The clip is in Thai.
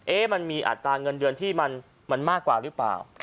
มันมีอัตราเงินเดือนที่มันมากกว่าหรือเปล่า